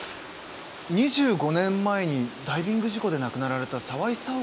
２５年前にダイビング事故で亡くなられた沢井紗保子さんなんですが。